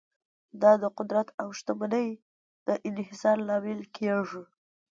دا د قدرت او شتمنۍ د انحصار لامل کیږي.